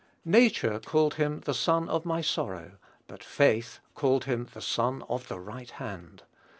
Nature called him "the son of my sorrow;" but faith called him "the son of the right hand."